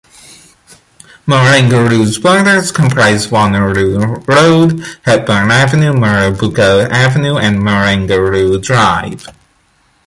Marangaroo's borders comprise Wanneroo Road, Hepburn Avenue, Mirrabooka Avenue and Marangaroo Drive.